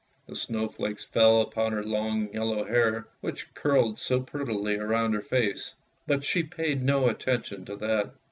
The snowflakes fell upon her long yellow hair, which curled so prettily round her face, but she paid no attention to that.